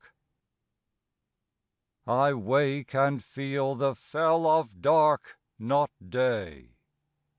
45 I WAKE and feel the fell of dark, not day.